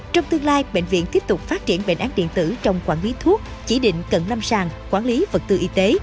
trong tương lai bệnh viện tiếp tục phát triển bệnh án điện tử trong quản lý thuốc chỉ định cận lâm sàng quản lý vật tư y tế